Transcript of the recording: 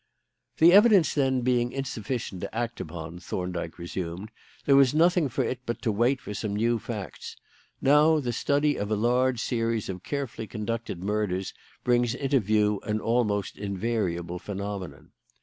"The evidence, then, being insufficient to act upon," Thorndyke resumed, "there was nothing for it but to wait for some new facts. Now, the study of a large series of carefully conducted murders brings into view an almost invariable phenomenon.